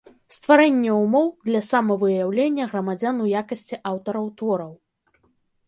Стварэнне ўмоў для самавыяўлення грамадзян у якасцi аўтараў твораў.